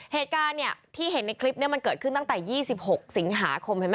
เหตุการณ์เนี่ยที่เห็นในคลิปนี้มันเกิดขึ้นตั้งแต่๒๖สิงหาคมเห็นไหม